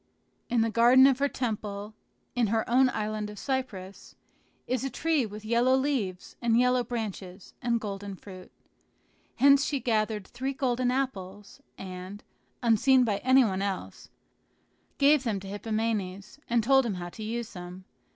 In the garden of her temple, in her own island of Cyprus, is a tree with yellow leaves and yellow branches and golden fruit. Hence she gathered three golden apples, and, unseen by any one else, gave them to Hippomenes, and told him how to use them.